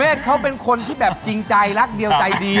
เขาเป็นคนที่แบบจริงใจรักเดียวใจดี